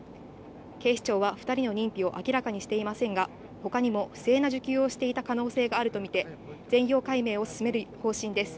警視庁は２人の認否を明らかにしていませんが、ほかにも不正な需給をしていた可能性があると見て、全容解明を進める方針です。